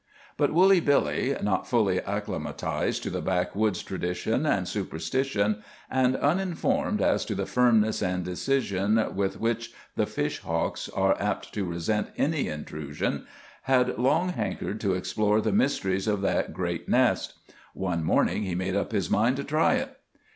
But Woolly Billy, not fully acclimatized to the backwoods tradition and superstition, and uninformed as to the firmness and decision with which the fish hawks are apt to resent any intrusion, had long hankered to explore the mysteries of that great nest. One morning he made up his mind to try it.